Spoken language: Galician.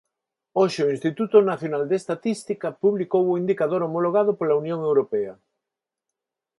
Hoxe o Instituto Nacional de Estatística publicou o indicador homologado pola Unión Europea.